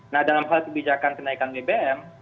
nah dalam hal kebijakan kenaikan bbm